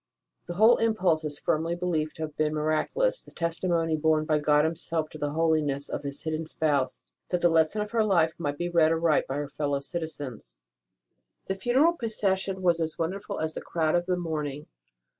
The whole impulse is firmly believed to have been miraculous the testimony borne by God Himself to the holiness of His hidden Spouse, that the lesson of her life might be read aright by her fellow citizens. The funeral procession was as wonderful as the crowd of the morning.